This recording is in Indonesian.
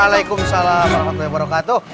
waalaikumsalam warahmatullahi wabarakatuh